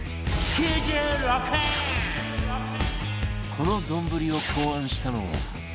この丼を考案したのは